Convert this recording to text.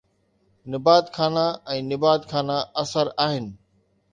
نبات خانہ ۽ نبات خانہ اثر آهن